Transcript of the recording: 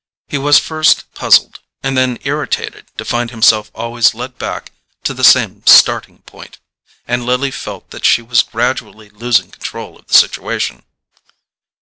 He was first puzzled and then irritated to find himself always led back to the same starting point, and Lily felt that she was gradually losing control of the situation.